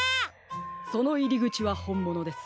そのいりぐちはほんものです。